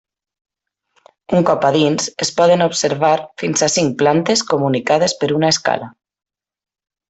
Un cop a dins es poden observar fins a cinc plantes comunicades per una escala.